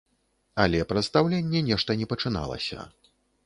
Але прадстаўленне нешта не пачыналася.